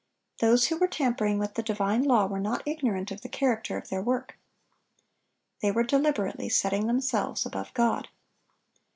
(1014) Those who were tampering with the divine law were not ignorant of the character of their work. They were deliberately setting themselves above God.